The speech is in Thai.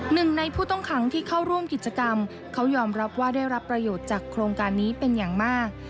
หนึ่งในผู้ต้องขังที่เข้าร่วมกิจกรรมเขายอมรับว่าได้รับประโยชน์จากโครงการนี้เป็นอย่างมาก